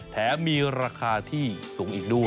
แถมมีราคาที่สูงอีกด้วย